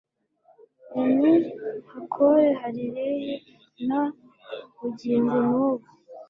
enihakore hari lehi na bugingo n ubu